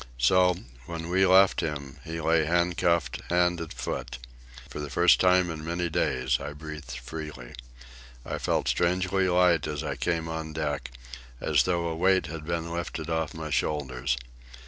So, when we left him, he lay handcuffed hand and foot. For the first time in many days I breathed freely. I felt strangely light as I came on deck, as though a weight had been lifted off my shoulders.